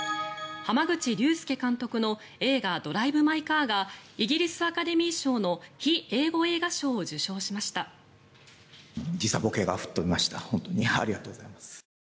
濱口竜介監督の映画「ドライブ・マイ・カー」がイギリスアカデミー賞の非英語映画賞を受賞しました。